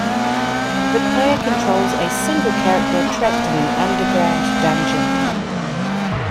The player controls a single character trapped in an underground dungeon.